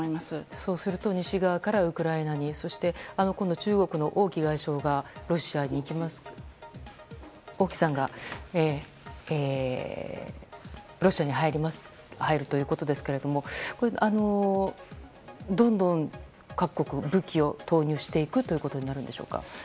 そうすると西側からウクライナにそして今度、中国の王毅外相がロシアに入るということですがどんどん各国、武器を投入していくことになりますか。